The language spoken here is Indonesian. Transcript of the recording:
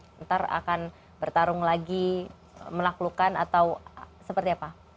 nanti akan bertarung lagi menaklukkan atau seperti apa